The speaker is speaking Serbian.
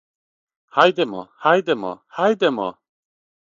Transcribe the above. Хајдемо, хајдемо, хајдемо!